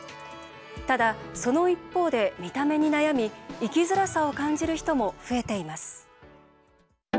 ただ、その一方で見た目に悩み生きづらさを感じる人も増えています。